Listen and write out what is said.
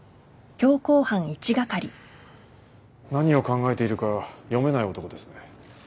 何を考えているか読めない男ですね。